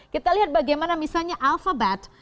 kita lihat bagaimana misalnya alphabeth